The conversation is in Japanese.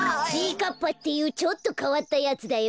かっぱっていうちょっとかわったやつだよ。